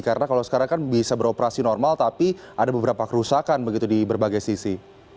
karena kalau sekarang kan bisa beroperasi normal tapi ada beberapa kerusakan begitu di berbagai sisi